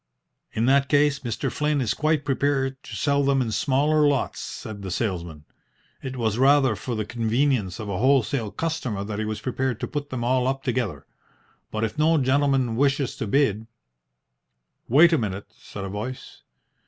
"In that case Mr. Flynn is quite prepared to sell them in smaller lots," said the salesman. "It was rather for the convenience of a wholesale customer that he was prepared to put them all up together. But if no gentleman wishes to bid " "Wait a minute," said a voice.